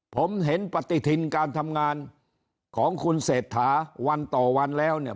ผมเห็นปฏิทินการทำงานของคุณเศรษฐาวันต่อวันแล้วเนี่ย